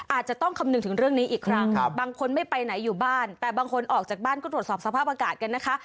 อาจจะต้องคำนึงถึงเรื่องนี้อีกครั้งบางคนไม่ไปไหนอยู่บ้านแต่บางคนออกจากบ้านก็ตรวจสอบสภาพอากาศกันนะคะ